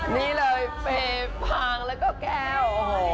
นี่เลยเปย์พางแล้วก็แก้ว